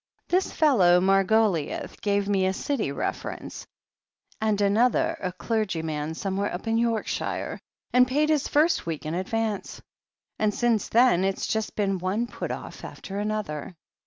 This fellow Mar goliouth gave me a City reference, and another a clergy man somewhere up in Yorkshire, and paid his first week in advance. And since then it's just been one put off after another."